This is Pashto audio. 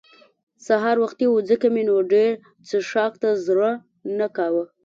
سهار وختي وو ځکه مې نو ډېر څښاک ته زړه نه کاوه.